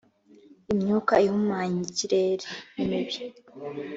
imyuka ihumanya ikirere nimibi